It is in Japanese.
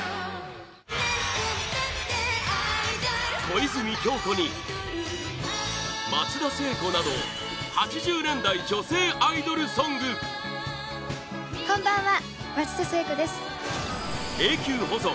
小泉今日子に松田聖子など８０年代女性アイドルソング永久保存！